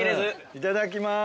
いただきます。